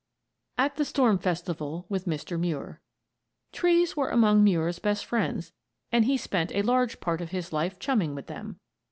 AT THE STORM FESTIVAL WITH MR. MUIR Trees were among Muir's best friends, and he spent a large part of his life chumming with them.